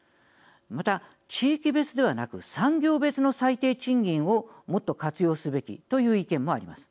また、地域別ではなく産業別の最低賃金をもっと活用すべきという意見もあります。